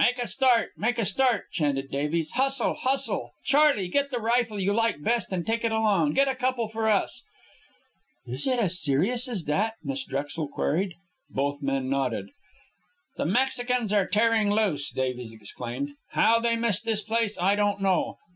"Make a start make a start," chanted Davies. "Hustle! Hustle! Charley, get the rifle you like best and take it along. Get a couple for us." "Is it as serious as that?" Miss Drexel queried. Both men nodded. "The Mexicans are tearing loose," Davies explained. "How they missed this place I don't know."